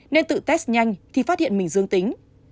nên tự test nhanh thì phát hiện mình dương tính